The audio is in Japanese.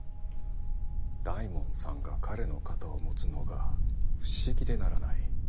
大門さんが彼の肩を持つのが不思議でならない。